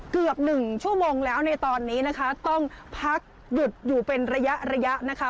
เกือบหนึ่งชั่วโมงแล้วในตอนนี้นะคะต้องพักหยุดอยู่เป็นระยะระยะนะคะ